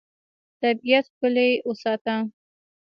طبیعت ښکلی وساته.